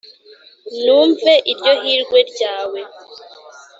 Numve iryo hirwe ryawe